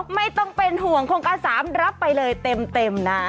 ไม่ต้องเป็นห่วงโครงการ๓รับไปเลยเต็มนะ